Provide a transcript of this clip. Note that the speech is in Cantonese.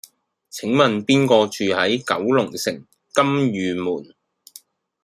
請問邊個住喺九龍城金·御門？